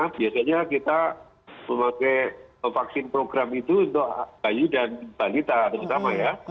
biasanya kita memakai vaksin program itu untuk bayi dan balita terutama ya